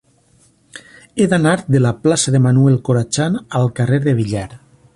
He d'anar de la plaça de Manuel Corachan al carrer de Villar.